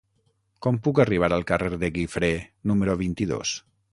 Com puc arribar al carrer de Guifré número vint-i-dos?